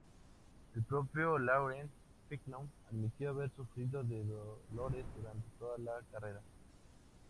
El propio Laurent Fignon admitió haber sufrido de dolores durante toda la carrera.